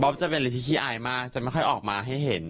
เป็นฤทธิ์ที่อายมากจะไม่ค่อยออกมาให้เห็น